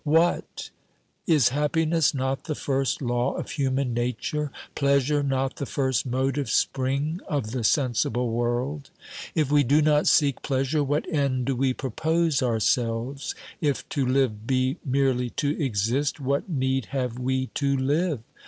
What ! Is happiness not the first law of human nature, pleasure not the first motive spring of the sensible world ? If we do not seek pleasure, what end do we propose our selves ? If to live be merely to exist, what need have we to live?